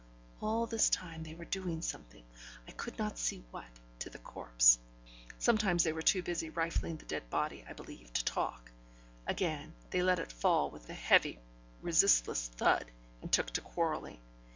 All this time they were doing something I could not see what to the corpse; sometimes they were too busy rifling the dead body, I believe, to talk; again they let it fall with a heavy, resistless thud, and took to quarrelling.